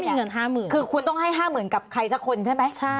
ต้องมีเงินห้าหมื่นคือคุณต้องให้ห้าหมื่นกับใครสักคนใช่ไหมใช่ค่ะ